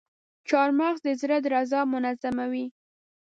چارمغز د زړه درزا منظموي.